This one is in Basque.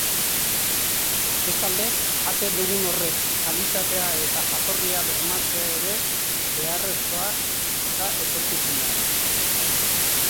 Bestalde, jaten dugun horren kalitatea eta jatorria bermatzea ere beharrezkoa da etorkizunean.